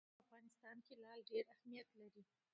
په افغانستان کې لعل ډېر اهمیت لري.